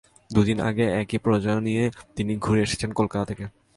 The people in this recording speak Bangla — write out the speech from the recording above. দুই দিন আগে একই প্রযোজনা নিয়ে তিনি ঘুরে এসেছেন কলকাতা থেকে।